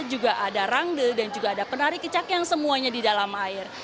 juga ada rangde dan juga ada penari kecaki yang semuanya di dalam air